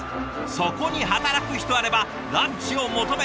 そこに働く人あればランチを求め